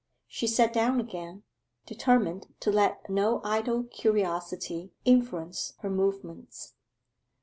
She sat down again, determined to let no idle curiosity influence her movements.